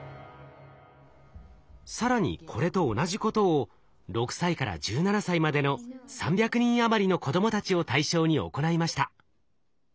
更にこれと同じことを６歳から１７歳までの３００人余りの子供たちを対象に行いました。